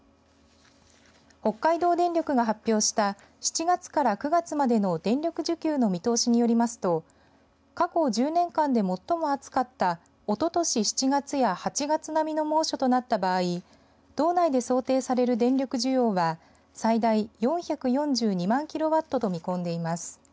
北海道電力が発表した７月から９月までの電力需給の見通しによりますと過去１０年間で最も暑かったおととし７月や８月並みの猛暑となった場合道内で想定される電力需要は最大４４２万キロワットと見込んでいます。